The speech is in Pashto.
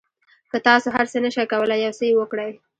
که تاسو هر څه نه شئ کولای یو څه یې وکړئ.